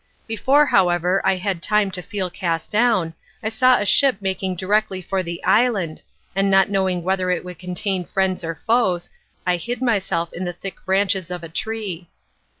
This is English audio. Before, however, I had time to feel cast down, I saw a ship making directly for the island, and not knowing whether it would contain friends or foes, I hid myself in the thick branches of a tree.